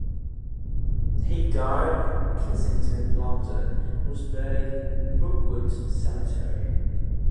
He died in Kensington, London and was buried in Brookwood Cemetery.